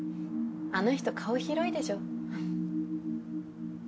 あの人顔広いでしょ。